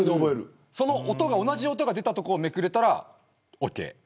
その音が同じ音が出たところめくれたらＯＫ。